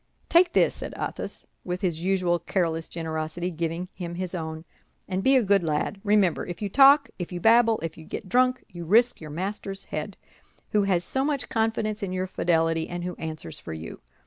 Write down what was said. "Take this," said Athos, with his usual careless generosity, giving him his own, "and be a good lad. Remember, if you talk, if you babble, if you get drunk, you risk your master's head, who has so much confidence in your fidelity, and who answers for you.